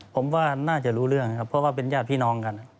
ผมว่าน่าจะรู้เรื่องครับเพราะว่าเป็นญาติพี่น้องกัน